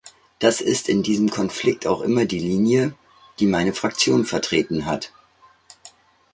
Das ist in diesem Konflikt auch immer die Linie, die meine Fraktion vertreten hat.